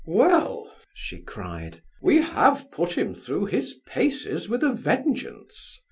"Well!" she cried, "we have 'put him through his paces,' with a vengeance!